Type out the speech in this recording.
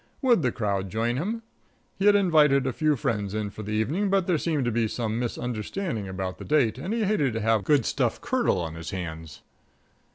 Would the crowd join him? He had invited a few friends in for the evening, but there seemed to be some misunderstanding about the date, and he hated to have good stuff curdle on his hands.